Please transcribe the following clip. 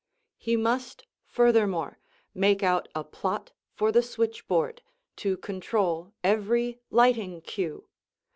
He must furthermore make out a plot for the switchboard, to control every lighting "cue."